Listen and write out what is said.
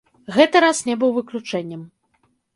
Гэты раз не быў выключэннем.